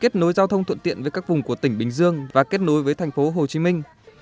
kết nối giao thông thuận tiện với các vùng của tỉnh bình dương và kết nối với thành phố hồ chí minh